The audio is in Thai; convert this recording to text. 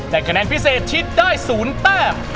แต่คะแนนพิเศษชิดได้๐แต้ม